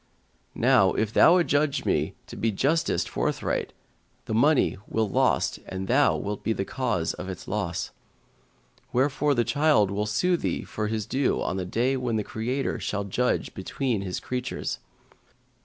Now, if thou adjudge me to be justiced forthright, the money will lost and thou shalt be the cause of its loss; wherefore the child will sue thee for his due on the day when the Creator shall judge between His creatures.